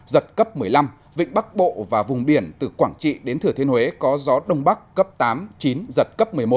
giật cấp một mươi năm vịnh bắc bộ và vùng biển từ quảng trị đến thừa thiên huế có gió đông bắc cấp tám chín giật cấp một mươi một